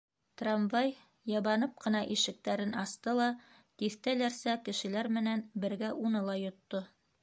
Трамвай йыбанып ҡына ишектәрен асты ла тиҫтәләрсә кешеләр менән бергә уны ла йотто.